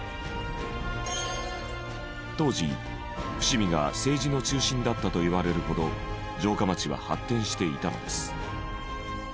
当時伏見が政治の中心だったといわれるほど城下町は発展していたのです。